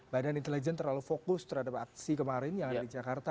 badan intelijen terlalu fokus terhadap aksi kemarin yang ada di jakarta